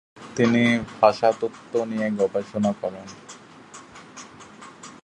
তিনি ভাষাতত্ত্ব নিয়ে গবেষণা করেন।